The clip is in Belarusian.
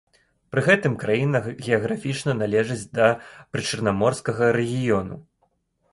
Пры гэтым краіна геаграфічна належыць да прычарнаморскага рэгіёну.